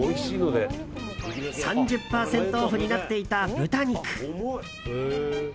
３０％オフになっていた豚肉。